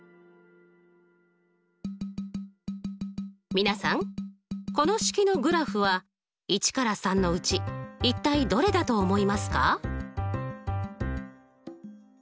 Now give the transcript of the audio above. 皆さんこの式のグラフは１から３のうち一体どれだと思いますか？